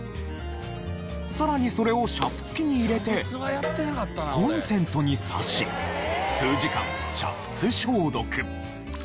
さらにそれを煮沸器に入れてコンセントに差し数時間煮沸消毒。